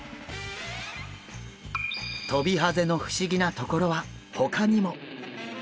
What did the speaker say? トビハゼの不思議なところはほかにも！